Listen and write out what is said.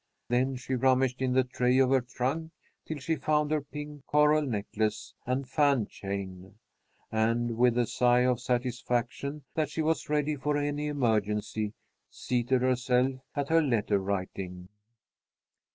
Then she rummaged in the tray of her trunk till she found her pink coral necklace and fan chain, and, with a sigh of satisfaction that she was ready for any emergency, seated herself at her letter writing.